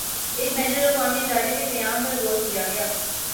ایک بین الاقوامی ادارے کے قیام پر غور کیا گیا